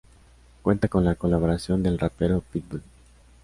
Cuenta con la colaboración del rapero Pitbull.